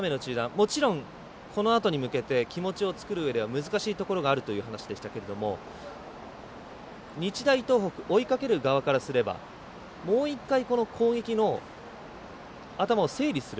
もちろん、このあとに向けて気持ちを作るうえでは難しいところがあるという話でしたけれども日大東北追いかける側からすればもう１回、攻撃の頭を整理する。